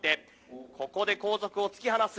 「ここで後続を突き放す。